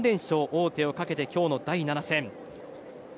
王手をかけて今日の第７戦。